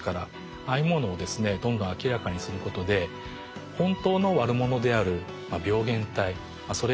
ああいうものをですねどんどん明らかにすることで本当の悪者である病原体それがですね